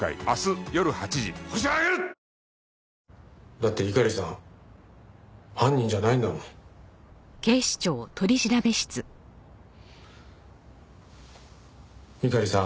だって猪狩さん犯人じゃないんだもん。